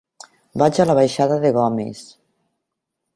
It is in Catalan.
Vaig a la baixada de Gomis.